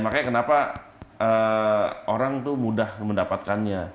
makanya kenapa orang tuh mudah mendapatkannya